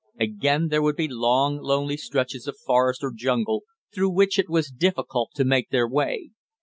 Again there would be long, lonely stretches of forest or jungle, through which it was difficult to make their way.